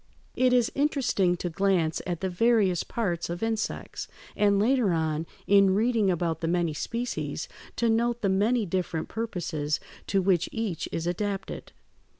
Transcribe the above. It is interesting to glance at the various parts of insects, and later on, in reading about the many species, to note the many different purposes to which each is adapted.